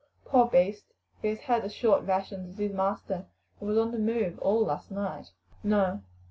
Poor beast, he has had as short rations as his master, and was on the move all last night." "No.